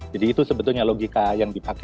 jadi itu sebetulnya logika yang dipakai